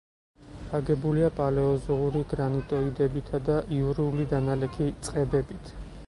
აგებულია პალეოზოური გრანიტოიდებითა და იურული დანალექი წყებებით.